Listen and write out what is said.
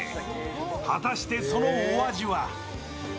果たして、そのお味は？